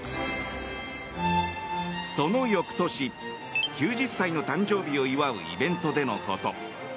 その翌年、９０歳の誕生日を祝うイベントでのこと。